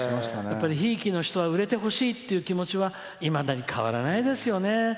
やっぱりひいきの人は売れてほしいっていう気持ちはいまだに変わらないですよね。